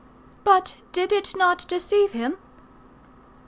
"But did it not deceive him?"